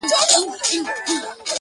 که هر څو دي په لاره کي گړنگ در اچوم.